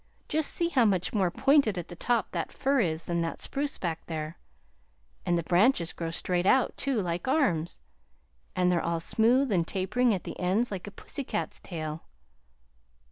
Just see how much more pointed at the top that fir is than that spruce back there; and the branches grow straight out, too, like arms, and they're all smooth and tapering at the ends like a pussy cat's tail.